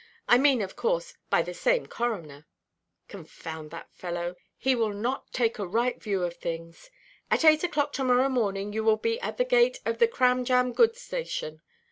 I mean, of course, by the same coroner. Confound that fellow; he will not take a right view of things. At eight oʼclock to–morrow morning, you will be at the gate of the Cramjam goods station.